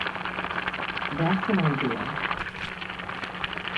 That's an idea.